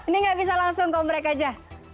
ini gak bisa langsung kombrek aja